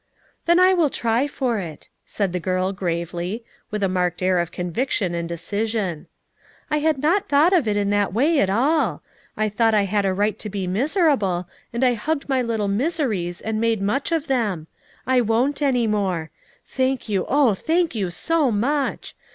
"Then I will try for it," said the girl gravely, with a marked air of conviction and decision. "I had not thought of it in that way at all ; I thought I had a right to be miserable, and I hugged my little miseries and made much of them. I won't any more. Thank you; oh, thank you so much!